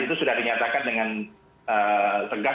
itu sudah dinyatakan dengan tegas